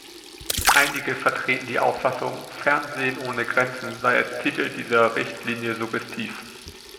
Einige vertreten die Auffassung, "Fernsehen ohne Grenzen" sei als Titel dieser Richtlinie suggestiv.